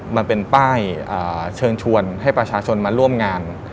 มันเป็นป้ายเชิญชวนให้ประชาชนมาร่วมงาน